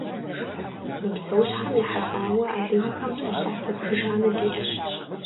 Мы псэущхьэм ехьэлӀауэ адыгэхэм псэлъафэ зыбжанэ диӀэщ.